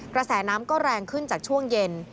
กระแสน้ำก็แรงขึ้นจากช่วงเย็น